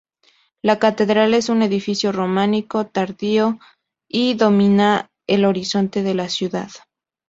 La catedral es un edificio románico tardío y domina el horizonte de la ciudad.